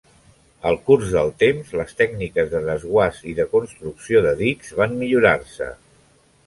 Al curs del temps, les tècniques de desguàs i de construcció de dics van millorar-se.